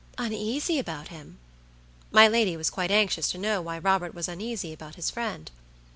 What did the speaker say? "Uneasy about him!" My lady was quite anxious to know why Robert was uneasy about his friend.